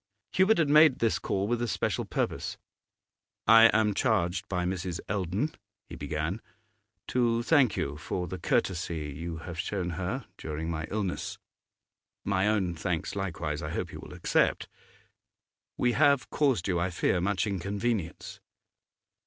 Hubert had made this call with a special purpose. 'I am charged by Mrs. Eldon,' he began, 'to thank you for the courtesy you have shown her during my illness. My own thanks likewise I hope you will accept. We have caused you, I fear, much inconvenience.